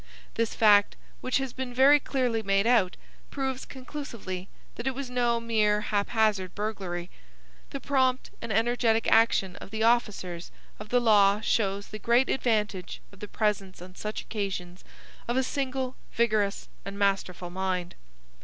This fact, which has been very clearly made out, proves conclusively that it was no mere haphazard burglary. The prompt and energetic action of the officers of the law shows the great advantage of the presence on such occasions of a single vigorous and masterful mind.